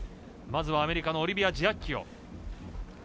まずはアメリカのオリビア・ジアッキオ。